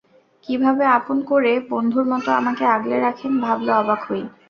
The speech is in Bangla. কীভাবে আপন করে বন্ধুর মতো আমাকে আগলে রাখেন, ভাবলে অবাক হই।